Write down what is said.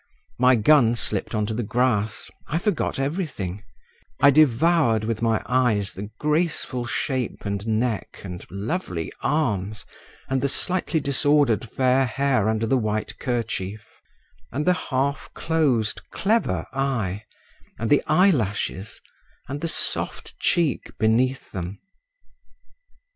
My gun slipped on to the grass, I forgot everything, I devoured with my eyes the graceful shape and neck and lovely arms and the slightly disordered fair hair under the white kerchief, and the half closed clever eye, and the eyelashes and the soft cheek beneath them….